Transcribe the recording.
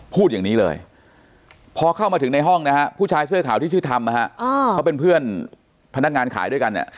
พูดอย่างนี้เลยพอเข้ามาถึงในห้องนะฮะผู้ชายเสื้อขาวที่ชื่อทำนะฮะเขาเป็นเพื่อนพนักงานขายด้วยกันเนี่ย